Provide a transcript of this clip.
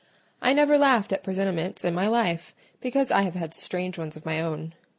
I never laughed at presentiments in my life, because I have had strange ones of my own.